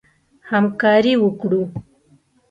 همکاري وکړو.